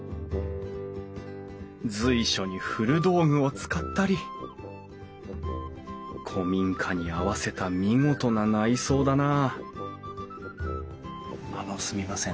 随所に古道具を使ったり古民家に合わせた見事な内装だなああのすみません。